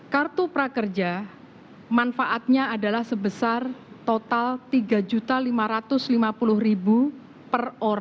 kartu prakerja manfaatnya adalah sebesar total rp tiga lima ratus lima puluh